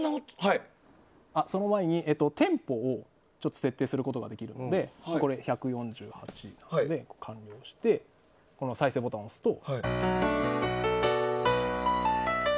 その前に、テンポを設定することができますので１４８で完了して再生ボタンを押すと。